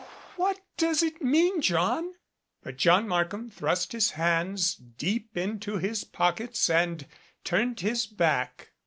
"What does it mean, John?" But John Markham thrust his hands deep into his pockets and turned his back.